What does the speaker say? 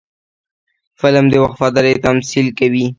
فلم د وفادارۍ تمثیل کوي